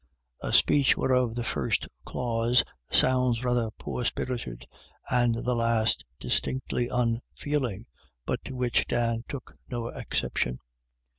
A speech whereof the first clause sounds rather poor spirited, and the last distinctly unfeeling ; but to which Dan took no exception.